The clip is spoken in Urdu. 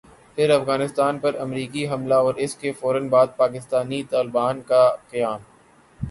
پھر افغانستان پر امریکی حملہ اور اسکے فورا بعد پاکستانی طالبان کا قیام ۔